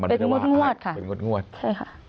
เป็นงวดค่ะเป็นงวดใช่ค่ะ